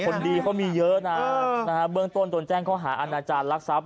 คนดีเขามีเยอะนะเบื้องต้นโดนแจ้งข้อหาอาณาจารย์รักทรัพย